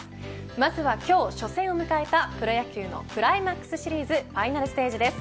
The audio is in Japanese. まずは今日初戦を迎えたプロ野球のクライマックスシリーズファイナルステージです。